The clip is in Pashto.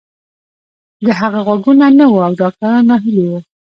د هغه غوږونه نه وو او ډاکتران ناهيلي وو.